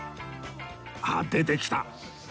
あっ出てきた